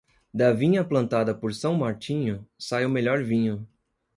Da vinha plantada por São Martinho, sai o melhor vinho.